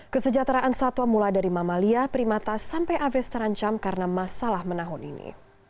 kesejahteraan satwa mulai dari mamalia primata sampai aves terancam karena masalah menahun ini